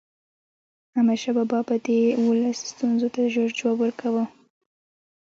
احمد شاه بابا به د ولس ستونزو ته ژر جواب ورکاوه.